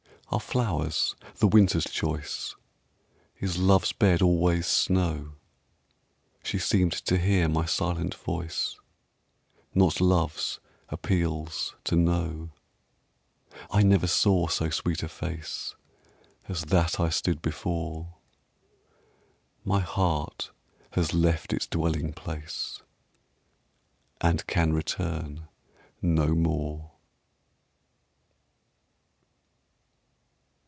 Are flowers the winter's choice? Is love's bed always snow? She seemed to hear my silent voice And love's appeal to know. I never saw so sweet a face As that I stood before: My heart has left its dwelling place And can return no more.